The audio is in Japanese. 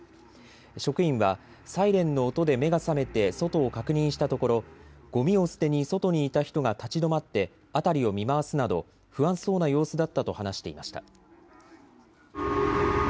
職員はサイレンの音で目が覚めて外を確認したところごみを捨てに外にいた人が立ち止まって辺りを見回すなど不安そうな様子だったと話していました。